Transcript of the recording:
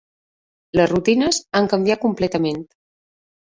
Les rutines han canviat completament.